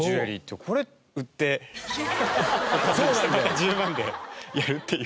これ売って１０万でやるっていう。